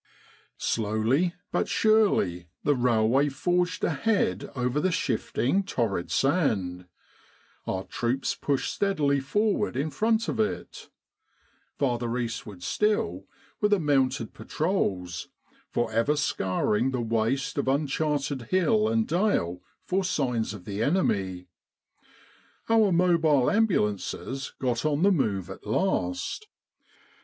Slowly but surely the railway forged ahead over the shifting torrid sand; our troops pushed steadily forward in front of it ; farther eastward still were the 9* With the R.A.M.C. in Egypt mounted patrols, for ever scouring the waste of un charted hill and dale for signs of the enemy. Our mobile ambulances got on the move at last.